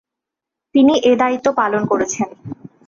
তিনি এ দায়িত্ব পালন করেছেন।